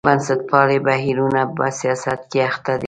بنسټپالي بهیرونه په سیاست کې اخته دي.